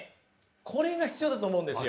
これが必要だと思うんですよ。